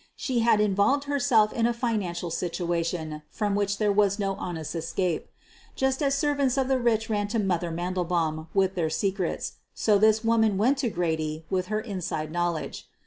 She had involved herself in a financial situation from which there was no honest escape. Just as servants of the rich ran to '' Mother '' Mandelbaum with their secrets, so this woman went to Grady with her in side knowledge.